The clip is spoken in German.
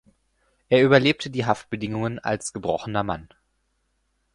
Er überlebte die Haftbedingungen als gebrochener Mann.